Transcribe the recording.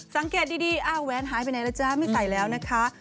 สังเกตดีแว้นหายไปไหนแล้วจ้ะไม่ใส่แล้วนะคะ